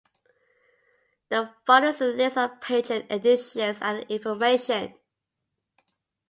The following is a list of pageant editions and information.